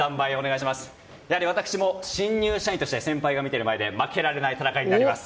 私も新入社員として先輩が見ている前で負けられない戦いになります。